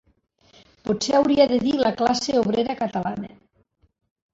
Potser hauria de dir la classe obrera catalana